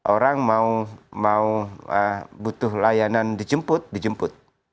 orang mau butuh layanan dijemput dijemput